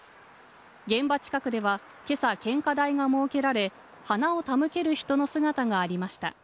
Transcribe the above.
現場近くでは、けさ、献花台が設けられ、花を手向ける人の姿がありました。